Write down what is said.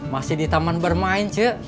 masih di taman bermain cik